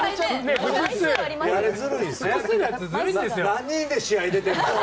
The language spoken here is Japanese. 何人で試合出てるの。